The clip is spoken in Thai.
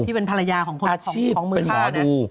ที่เป็นภรรยาของมือฆ่านะ